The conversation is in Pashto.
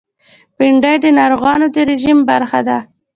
بېنډۍ د ناروغانو د رژیم برخه ده